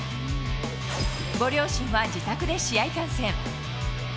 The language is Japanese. ご両親は自宅で試合観戦。